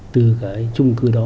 từ cái trung cư đó